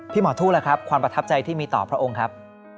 หมอทู่ล่ะครับความประทับใจที่มีต่อพระองค์ครับ